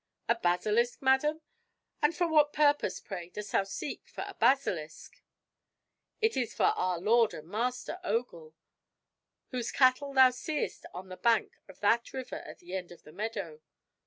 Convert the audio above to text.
"A basilisk, madam! and for what purpose, pray, dost thou seek for a basilisk?" "It is for our lord and master Ogul, whose cattle thou seest on the bank of that river at the end of the meadow.